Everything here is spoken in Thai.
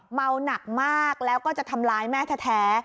เมาหนักมากแล้วก็จะทำร้ายแม่แท้